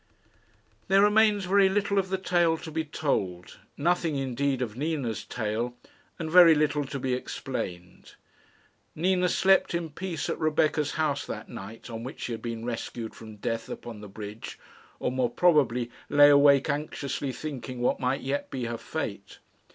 There remains very little of the tale to be told nothing, indeed, of Nina's tale and very little to be explained. Nina slept in peace at Rebecca's house that night on which she had been rescued from death upon the bridge or, more probably, lay awake anxiously thinking what might yet be her fate.